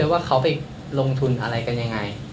ว่าเขาไปลงทุนอะไรกันยังไง